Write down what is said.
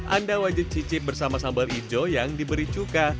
anda wajib cicip bersama sambal hijau yang diberi cuka